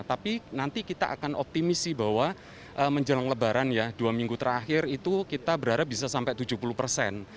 tapi nanti kita akan optimisi bahwa menjelang lebaran ya dua minggu terakhir itu kita berharap bisa sampai tujuh puluh persen